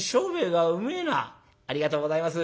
「ありがとうございます。